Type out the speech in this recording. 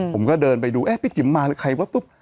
ผมก็เดินไปดูเอ๊ะพี่จิ๋มมาหรือใครว่าปุ๊บ